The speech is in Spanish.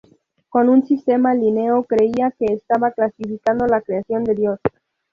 Con su sistema Linneo creía que estaba clasificando la creación de Dios.